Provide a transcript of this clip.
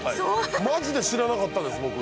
マジで知らなかったです、僕。